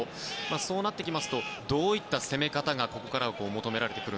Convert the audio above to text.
そうなってきますとどういった攻め方がここからは求められますか？